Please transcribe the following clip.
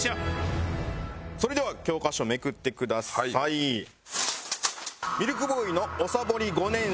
それでは教科書をめくってください。という事で。